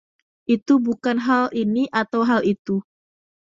Itu bukanlah hal ini atau hal itu.